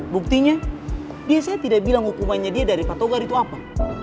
buktinya biasanya tidak bilang hukumannya dia dari patogar itu apa